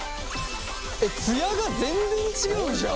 えっツヤが全然違うじゃん！